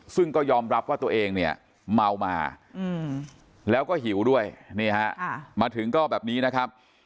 ซึ่งก็ยอมรับว่าตัวเองเนี่ยเมามาแล้วก็หิวด้วยนี่ฮะมาถึงก็แบบนี้นะครับ